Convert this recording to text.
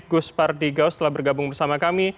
gus pardigaus telah bergabung bersama kami